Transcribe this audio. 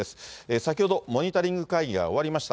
先ほど、モニタリング会議が終わりました。